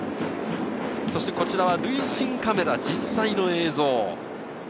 こちらは塁審カメラ、実際の映像です。